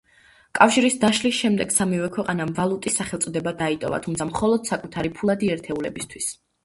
კავშირის დაშლის შემდეგ სამივე ქვეყანამ ვალუტის სახელწოდება დაიტოვა, თუმცა მხოლოდ საკუთარი ფულადი ერთეულებისთვის.